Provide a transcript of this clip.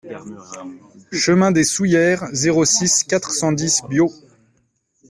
Chemin des Soullieres, zéro six, quatre cent dix Biot